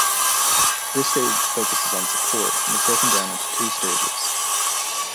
This stage focuses on support and is broken down into two stages.